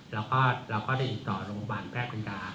แล้วก็ได้ติดต่อโรงพยาบาลแพทย์ปัญญา